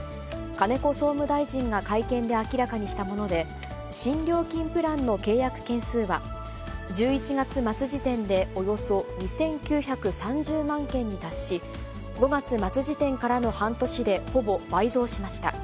金子総務大臣が会見で明らかにしたもので、新料金プランの契約件数は、１１月末時点でおよそ２９３０万件に達し、５月末時点からの半年でほぼ倍増しました。